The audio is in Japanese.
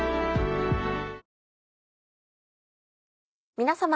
皆様。